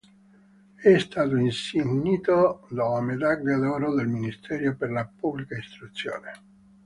È stato insignito della medaglia d'oro del Ministero per la Pubblica Istruzione.